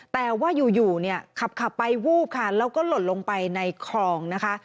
แต่ว่าอยู่เนี่ยขับไปวูบค่ะแล้วก็หล่นลงไปในคลองนะคะ